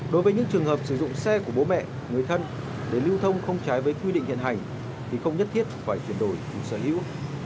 đối với những trường hợp sử dụng xe của bố mẹ người thân để lưu thông không trái với quy định hiện hành thì không nhất thiết phải chuyển đổi chủ sở hữu